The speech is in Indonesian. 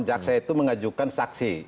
jaksa itu mengajukan saksi